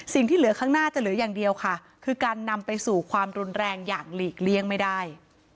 ที่เหลือข้างหน้าจะเหลืออย่างเดียวค่ะคือการนำไปสู่ความรุนแรงอย่างหลีกเลี่ยงไม่ได้